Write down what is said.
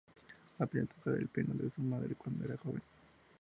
Aprendió a tocar el piano de su madre cuando era joven.